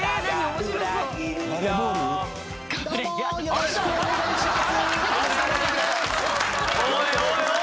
よろしくお願いします。